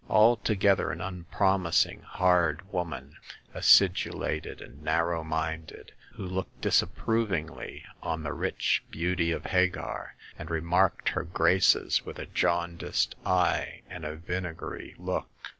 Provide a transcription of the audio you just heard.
Altogether an unpromis ing, hard woman, acidulated and narrow minded, who looked disapprovingly on the rich beauty of Hagar,.;^nd remarked her graces with a jaundiced eye atid a vinegary look.